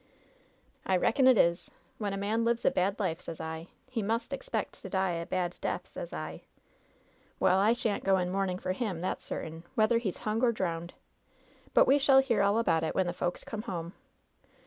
"I reckon it is ! When a man lives a bad life, sez I, he must expect to die a bad death, sez I." ^Well, I shan't go in mourning for him, that's cer tain, whether he's hung or drowned. But we shall hear all about it when the folks come home.